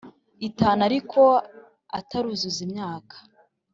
itanu ariko utaruzuza imyaka